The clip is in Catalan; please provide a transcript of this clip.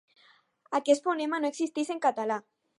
Aquest fonema no existeix en català.